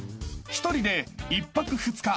［１人で１泊２日